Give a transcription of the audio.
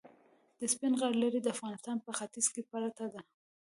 د سپین غر لړۍ د افغانستان په ختیځ کې پرته ده.